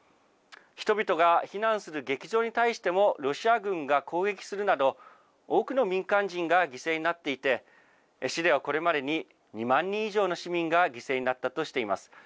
人々が避難する劇場に対してもロシア軍が攻撃するなど、多くの民間人が犠牲になっていて、市ではこれまでに２万人以上の市民が犠牲になったとしています。